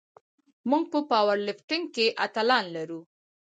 موږ په پاور لفټینګ کې اتلان لرو.